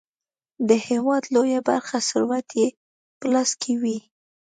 د هیواد لویه برخه ثروت یې په لاس کې وي.